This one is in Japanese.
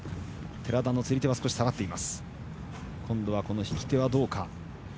寺田の釣り手は下がっています。